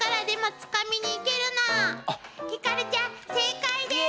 ひかるちゃん正解です！